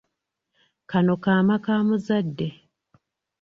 Kano kaama ka muzadde.